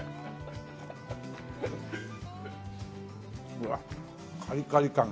うわっカリカリ感が。